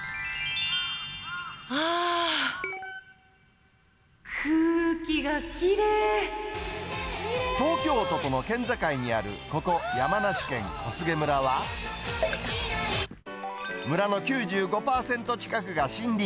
ああー、東京都との県境にあるここ、山梨県小菅村は、村の９５％近くが森林。